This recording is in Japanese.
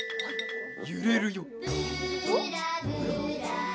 ゆれるよ。